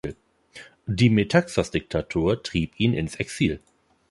Die Metaxas-Diktatur trieb ihn ins Exil.